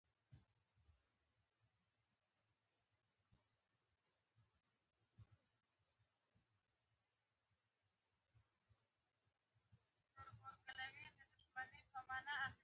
وروسته يې سر پورته کړ.